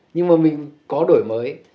nhưng mà mình có đổi mới